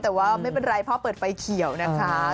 แต่ว่าไม่เป็นไรพ่อเปิดไฟเขียวนะคะ